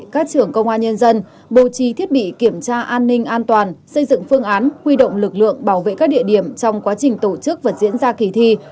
các trưởng công an nhân dân bố trí thiết bị kiểm tra an ninh an toàn xây dựng phương án huy động lực lượng bảo vệ các địa điểm trong quá trình tổ chức và diễn ra kỳ thi